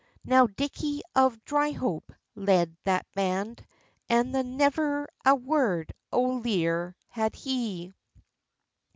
Now Dickie of Dryhope led that band, And the nevir a word o lear had he.